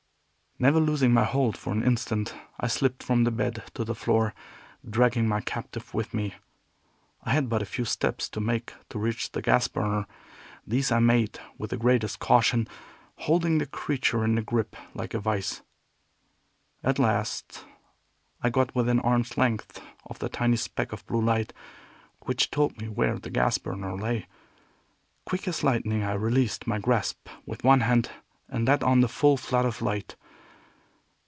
Never losing my hold for an instant, I slipped from the bed to the floor, dragging my captive with me. I had but a few steps to make to reach the gas burner; these I made with the greatest caution, holding the creature in a grip like a vice. At last I got within arm's length of the tiny speck of blue light which told me where the gas burner lay. Quick as lightning I released my grasp with one hand and let on the full flood of light.